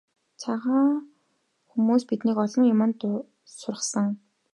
Цагаан хүмүүс биднийг олон юманд сургасан.